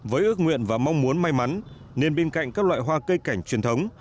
với ước nguyện và mong muốn may mắn nên bên cạnh các loại hoa cây cảnh truyền thống